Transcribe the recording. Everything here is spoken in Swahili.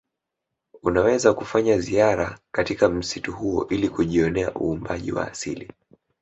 Unaweza kufanya ziara katika msitu huo ili kujionea uumbaji wa asili